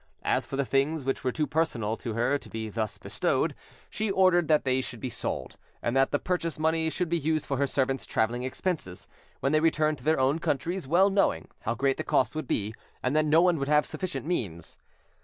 As for the things which were too personal to her to be thus bestowed, she ordered that they should be sold, and that the purchase money should be used for her servants' travelling expenses, when they returned to their own countries, well knowing how great the cost would be and that no one would have sufficient means.